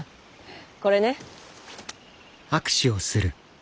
これね。